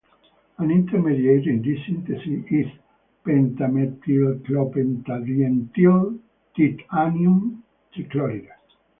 An intermediate in this synthesis is (pentamethylclopentadienyl)titanium trichloride.